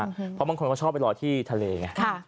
เพราะบางคนก็ชอบไปรอที่ทะเลไง